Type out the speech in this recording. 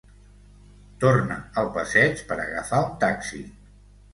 Torne al passeig per agafar un taxi.